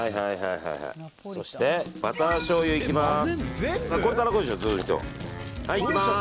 そして、バターしょうゆいきます！